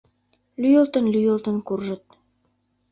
Лӱйылтын-лӱйылтын куржыт.